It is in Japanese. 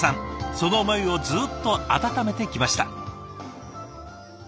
その思いをずっと温めてきました。